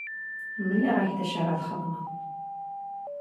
Mliɣ-ak d acu ara txedmeḍ.